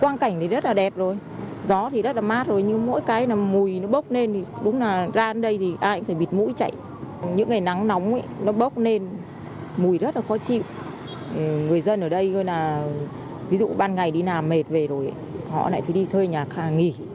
người dân ở đây ví dụ ban ngày đi làm mệt về rồi họ lại phải đi thuê nhà khác nghỉ